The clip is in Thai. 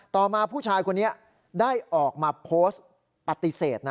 ต่อมาผู้ชายคนนี้ได้ออกมาโพสต์ปฏิเสธ